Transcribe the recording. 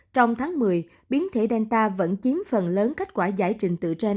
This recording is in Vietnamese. trong tháng một mươi biến thể delta vẫn chiếm phần lớn kết quả giải trình từ trên